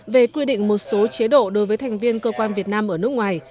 về quy định một số chế độ đối với thành viên cơ quan việt nam ở nước ngoài